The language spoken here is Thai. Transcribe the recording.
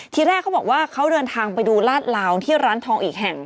ทีแรกเขาบอกว่าเขาเดินทางไปดูลาดลาวที่ร้านทองอีกแห่ง